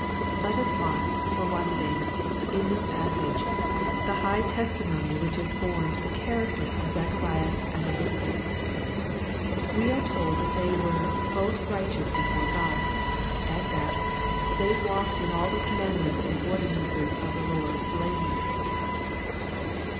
Let us mark, for one thing, in this passage, the high testimony which is borne to the character of Zacharias and Elisabeth. We are told that they were " both righteous before God," and that " they walked in all the commandments and ordinances of the Lord blameless."